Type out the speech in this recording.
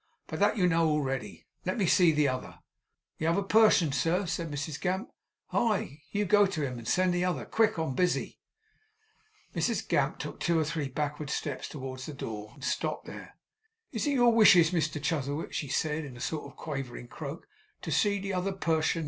But that you know already. Let me see the other.' 'The t'other person, sir?' said Mrs Gamp. 'Aye! Go you to him and send the other. Quick! I'm busy.' Mrs Gamp took two or three backward steps towards the door, and stopped there. 'It is your wishes, Mr Chuzzlewit,' she said, in a sort of quavering croak, 'to see the t'other person.